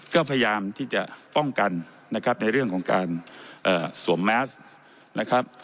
ก็พยายามที่จะป้องกันนะครับในเรื่องของการสวมแมสนะครับ